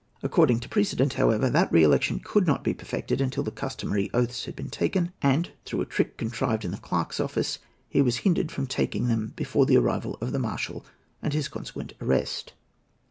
According to precedent, however, that re election could not be perfected until the customary oaths had been taken; and, through a trick contrived in the clerks' office, he was hindered from taking them before the arrival of the marshal and his consequent arrest.